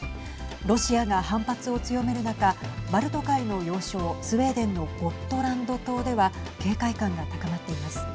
ロシアが反発を強める中バルト海の要衝スウェーデンのゴットランド島では警戒感が高まっています。